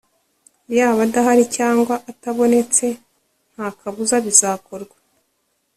yaba adahari cyangwa atabonetse ntakabuza bizakorwa